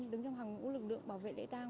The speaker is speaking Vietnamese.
đứng trong hàng ngũ lực lượng bảo vệ lễ tang